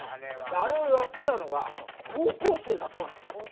あれをやってたのが高校生だそうなんですよ。